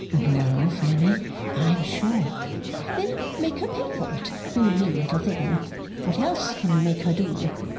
'No, Fanny, I am sure.' 'Then make her pay for it, you mean little thing. What else can you make her do?